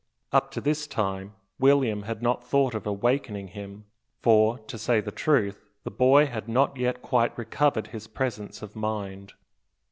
Up to this time, William had not thought of awakening him; for, to say the truth, the boy had not yet quite recovered his presence of mind.